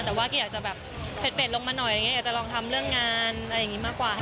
แต่ว่าอาจจะแบบเผ็ดลงมาหน่อยอยากจะลองทำเรื่องงานอะไรอย่างนี้มากกว่า